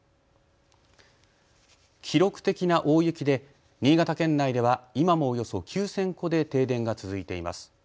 記録的な大雪で新潟県内では今もおよそ９０００戸で停電が続いています。